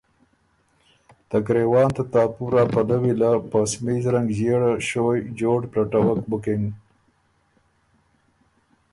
ته ګرېوان ته تاپُور ا پلوّي له په سمیز رنګ ݫيېړه ݭویٛ جوړ پلټوک بُکِن۔